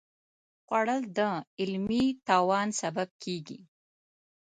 خوړل د علمي توان سبب کېږي